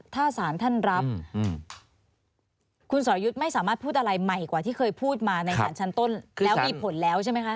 ถ้าสารท่านรับคุณสรยุทธ์ไม่สามารถพูดอะไรใหม่กว่าที่เคยพูดมาในสารชั้นต้นแล้วมีผลแล้วใช่ไหมคะ